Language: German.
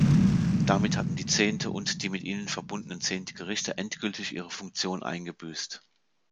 Damit hatten die Zente und die mit ihnen verbundenen Zentgerichte endgültig ihre Funktion eingebüßt.